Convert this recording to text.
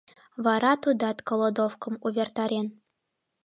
Вара тудат голодовкым увертарен.